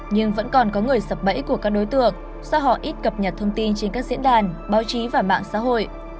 nhưng vẫn còn có người sập bẫy của các đối tượng do họ ít cập nhật thông tin trên các diễn đàn báo chí và mạng xã hội